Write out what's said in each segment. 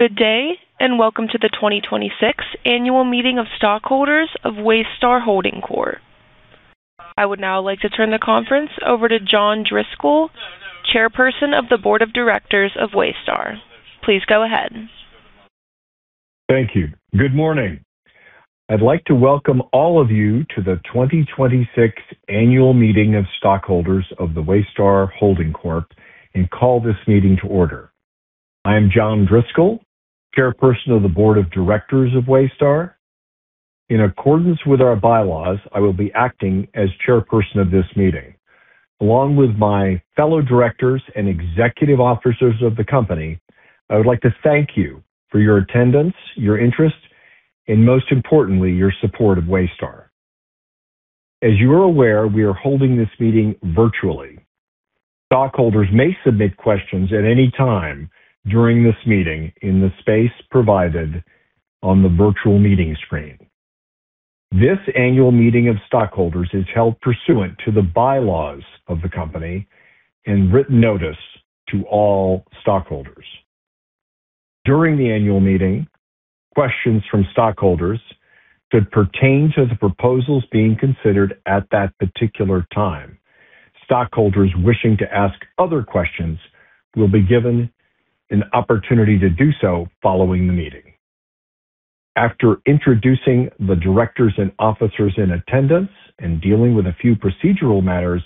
Good day, welcome to the 2026 Annual Meeting of Stockholders of Waystar Holding Corp. I would now like to turn the conference over to John Driscoll, Chairperson of the Board of Directors of Waystar. Please go ahead. Thank you. Good morning. I'd like to welcome all of you to the 2026 Annual Meeting of Stockholders of the Waystar Holding Corp. Call this meeting to order. I am John Driscoll, Chairperson of the Board of Directors of Waystar. In accordance with our bylaws, I will be acting as Chairperson of this meeting. Along with my fellow Directors and Executive Officers of the company, I would like to thank you for your attendance, your interest, and most importantly, your support of Waystar. As you are aware, we are holding this meeting virtually. Stockholders may submit questions at any time during this meeting in the space provided on the virtual meeting screen. This annual meeting of stockholders is held pursuant to the bylaws of the company and written notice to all stockholders. During the annual meeting, questions from stockholders should pertain to the proposals being considered at that particular time. Stockholders wishing to ask other questions will be given an opportunity to do so following the meeting. After introducing the Directors and officers in attendance and dealing with a few procedural matters,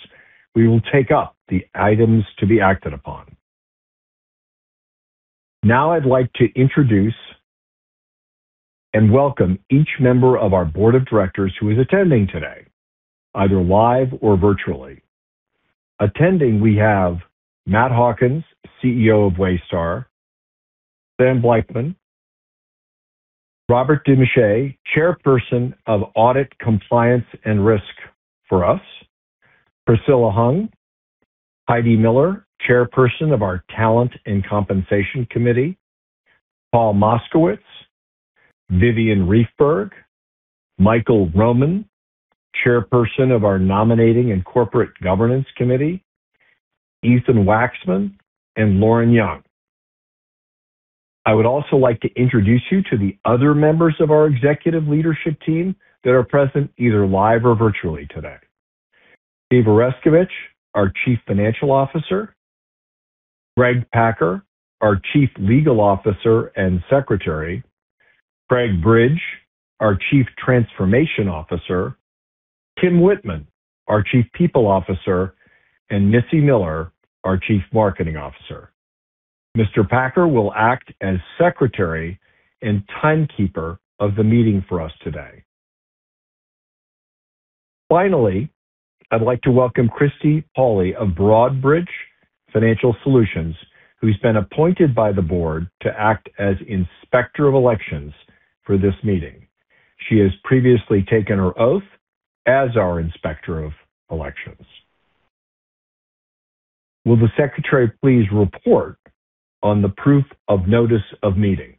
we will take up the items to be acted upon. I'd like to introduce and welcome each member of our Board of Directors who is attending today, either live or virtually. Attending, we have Matt Hawkins, CEO of Waystar, Sam Blaichman, Robert DeMichiei, Chairperson of Audit, Compliance, and Risk for us, Priscilla Hung, Heidi Miller, Chairperson of our Talent and Compensation Committee, Paul Moskowitz, Vivian Riefberg, Michael Roman, Chairperson of our Nominating and Corporate Governance Committee, Ethan Waxman, and Lauren Young. I would also like to introduce you to the other members of our executive leadership team that are present either live or virtually today. Steve Oreskovich, our Chief Financial Officer, Greg Packer, our Chief Legal Officer and Secretary, Craig Bridge, our Chief Transformation Officer, Kim Wittman, our Chief People Officer, and Missy Miller, our Chief Marketing Officer. Mr. Packer will act as secretary and timekeeper of the meeting for us today. Finally, I'd like to welcome [Christie Pauley] of Broadridge Financial Solutions, who's been appointed by the Board to act as Inspector of Elections for this meeting. She has previously taken her oath as our Inspector of Elections. Will the Secretary please report on the proof of notice of meeting?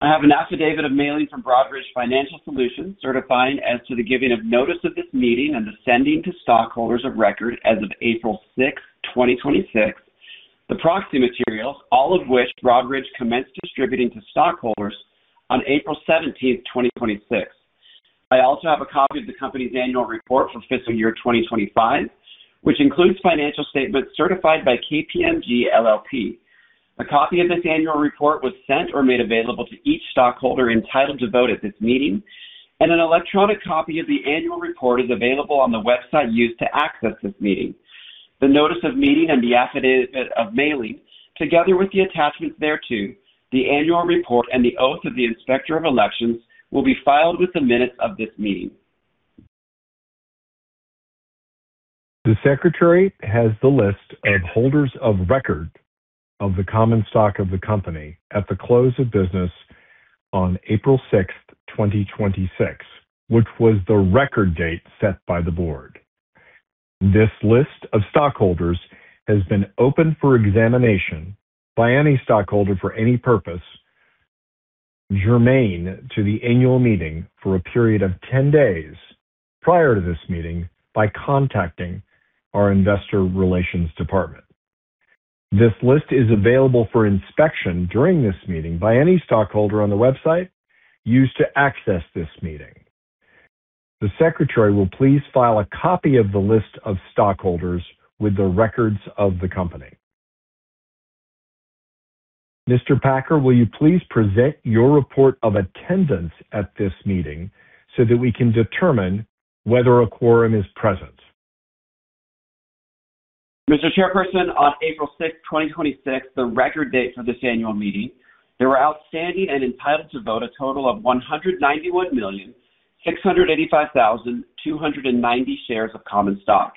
I have an affidavit of mailing from Broadridge Financial Solutions certifying as to the giving of notice of this meeting and the sending to stockholders of record as of April 6th, 2026, the proxy materials, all of which Broadridge commenced distributing to stockholders on April 17th, 2026. I also have a copy of the company's annual report for fiscal year 2025, which includes financial statements certified by KPMG LLP. A copy of this annual report was sent or made available to each stockholder entitled to vote at this meeting, and an electronic copy of the annual report is available on the website used to access this meeting. The notice of meeting and the affidavit of mailing, together with the attachments thereto, the annual report, and the oath of the Inspector of Elections will be filed with the minutes of this meeting. The Secretary has the list of holders of record of the common stock of the company at the close of business on April 6th, 2026, which was the record date set by the Board. This list of stockholders has been open for examination by any stockholder for any purpose germane to the annual meeting for a period of 10 days prior to this meeting by contacting our investor relations department. This list is available for inspection during this meeting by any stockholder on the website used to access this meeting. The Secretary will please file a copy of the list of stockholders with the records of the company. Mr. Packer, will you please present your report of attendance at this meeting so that we can determine whether a quorum is present? Mr. Chairperson, on April 6th, 2026, the record date for this annual meeting, there were outstanding and entitled to vote a total of 191,685,290 shares of common stock.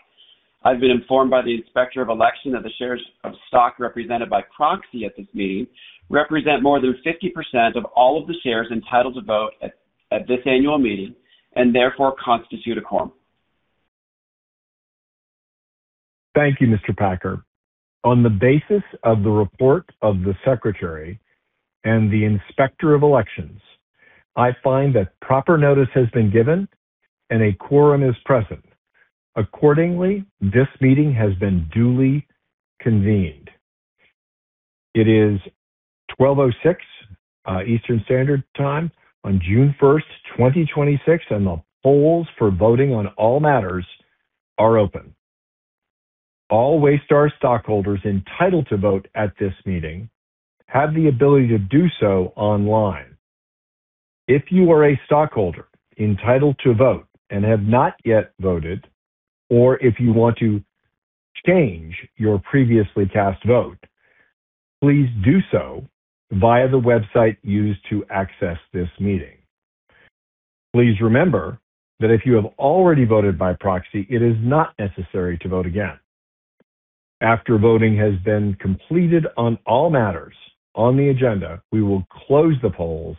I've been informed by the Inspector of Election that the shares of stock represented by proxy at this meeting represent more than 50% of all of the shares entitled to vote at this annual meeting and therefore constitute a quorum. Thank you, Mr. Packer. On the basis of the report of the Secretary and the Inspector of Elections, I find that proper notice has been given and a quorum is present. Accordingly, this meeting has been duly convened. It is 12:06 Eastern Standard Time on June 1st, 2026, and the polls for voting on all matters are open. All Waystar stockholders entitled to vote at this meeting have the ability to do so online. If you are a stockholder entitled to vote and have not yet voted, or if you want to change your previously cast vote, please do so via the website used to access this meeting. Please remember that if you have already voted by proxy, it is not necessary to vote again. After voting has been completed on all matters on the agenda, we will close the polls,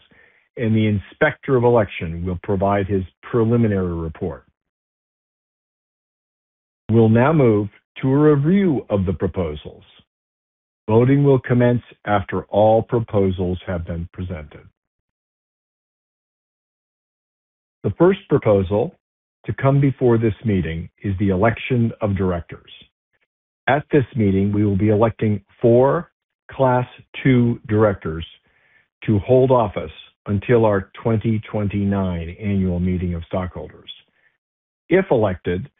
and the Inspector of Election will provide his preliminary report. We'll now move to a review of the proposals. Voting will commence after all proposals have been presented. The first proposal to come before this meeting is the election of Directors. At this meeting, we will be electing four Class II Directors to hold office until our 2029 Annual Meeting of Stockholders. If elected,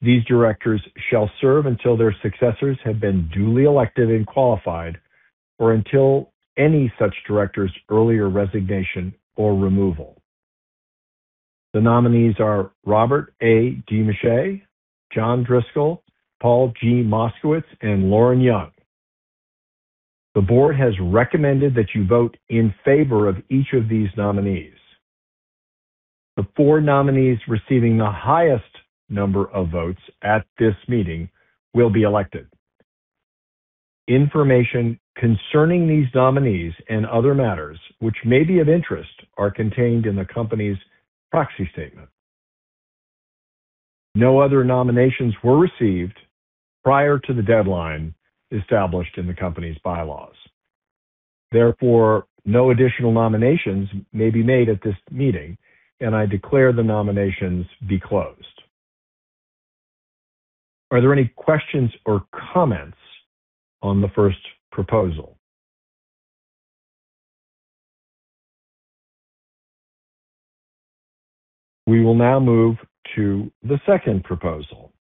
these Directors shall serve until their successors have been duly elected and qualified, or until any such director's earlier resignation or removal. The nominees are Robert A. DeMichiei, John Driscoll, Paul G. Moskowitz, and Lauren Young. The Board has recommended that you vote in favor of each of these nominees. The four nominees receiving the highest number of votes at this meeting will be elected. Information concerning these nominees and other matters which may be of interest are contained in the company's proxy statement. No other nominations were received prior to the deadline established in the company's bylaws. Therefore, no additional nominations may be made at this meeting, and I declare the nominations be closed. Are there any questions or comments on the first proposal? We will now move to the second proposal.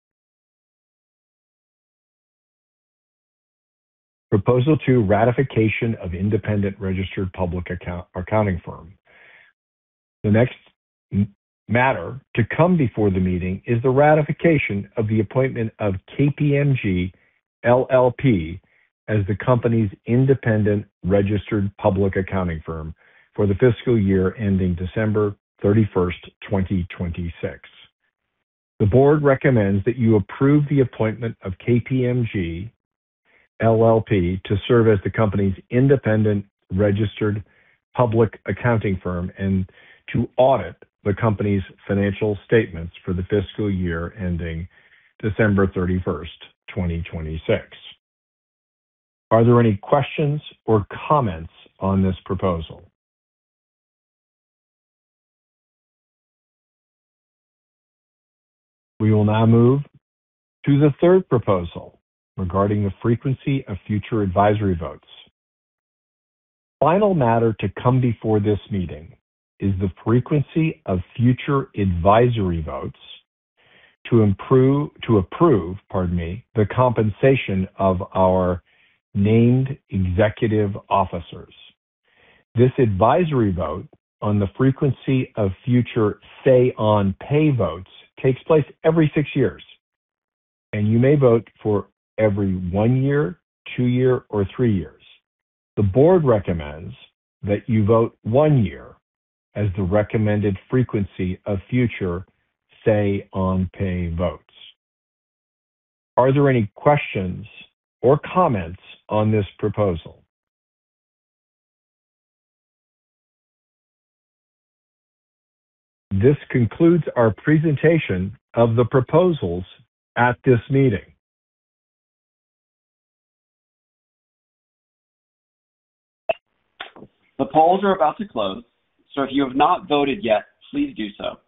Proposal two ratification of independent registered public accounting firm. The next matter to come before the meeting is the ratification of the appointment of KPMG LLP as the company's independent registered public accounting firm for the fiscal year ending December 31st, 2026. The Board recommends that you approve the appointment of KPMG LLP to serve as the company's independent registered public accounting firm and to audit the company's financial statements for the fiscal year ending December 31st, 2026. Are there any questions or comments on this proposal? We will now move to the third proposal regarding the frequency of future advisory votes. Final matter to come before this meeting is the frequency of future advisory votes to approve the compensation of our named executive officers. This advisory vote on the frequency of future say on pay votes takes place every six years, and you may vote for every one year, two year, or three years. The Board recommends that you vote one year as the recommended frequency of future say on pay votes. Are there any questions or comments on this proposal? This concludes our presentation of the proposals at this meeting. The polls are about to close, so if you have not voted yet, please do so.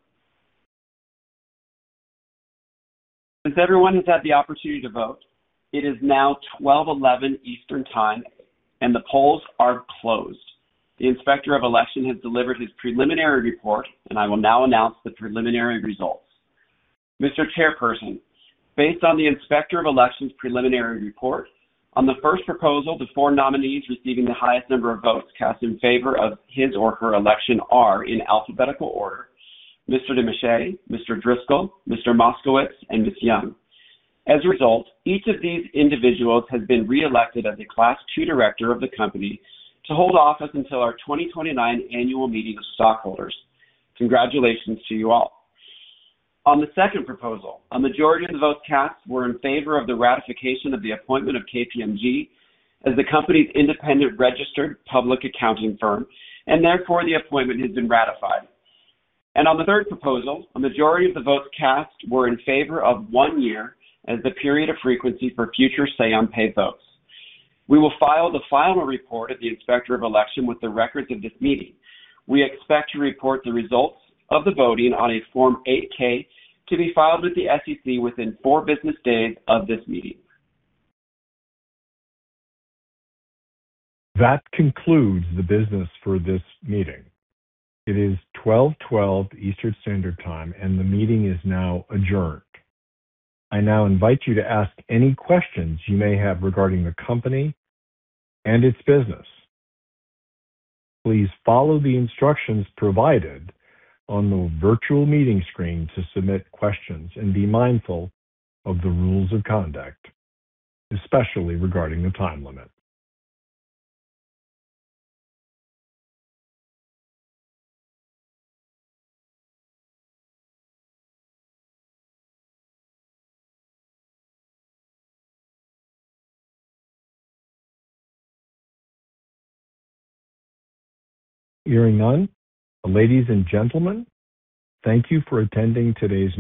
Since everyone has had the opportunity to vote, it is now 12:11 P.M. Eastern Time and the polls are closed. The Inspector of Election has delivered his preliminary report, and I will now announce the preliminary results. Mr. Chairperson, based on the Inspector of Election's preliminary report, on the first proposal, the four nominees receiving the highest number of votes cast in favor of his or her election are, in alphabetical order, Mr. DeMichiei, Mr. Driscoll, Mr. Moskowitz, and Ms. Young. As a result, each of these individuals has been reelected as a Class II Director of the company to hold office until our 2029 Annual Meeting of Stockholders. Congratulations to you all. On the second proposal, a majority of the votes cast were in favor of the ratification of the appointment of KPMG as the company's independent registered public accounting firm, and therefore, the appointment has been ratified. On the third proposal, a majority of the votes cast were in favor of one year as the period of frequency for future say on pay votes. We will file the final report of the Inspector of Election with the records of this meeting. We expect to report the results of the voting on a Form 8-K to be filed with the SEC within four business days of this meeting. That concludes the business for this meeting. It is 12:12 Eastern Standard Time, and the meeting is now adjourned. I now invite you to ask any questions you may have regarding the company and its business. Please follow the instructions provided on the virtual meeting screen to submit questions and be mindful of the rules of conduct, especially regarding the time limit. Hearing none, ladies and gentlemen, thank you for attending today's meeting.